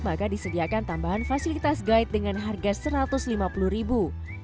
maka disediakan tambahan fasilitas guide dengan harga rp satu ratus lima puluh ribu